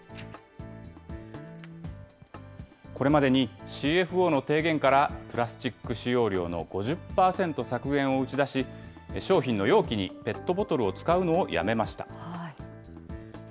これまでにＣＦＯの提言からプラスチック使用量の５０％削減を打ち出し、商品の容器にペットボトルを使うのをやめました。